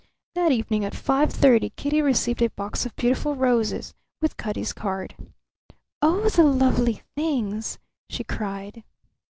That evening at five thirty Kitty received a box of beautiful roses, with Cutty's card. "Oh, the lovely things!" she cried.